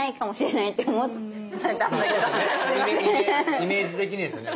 イメージ的にですよね。